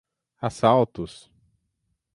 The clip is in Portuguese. Assaltos